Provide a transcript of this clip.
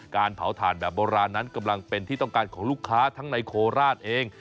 การเผาถ่านแบบโบราณนั้นกำลังเป็นที่ต้องการของลูกค้าทั้งในโคราชเอง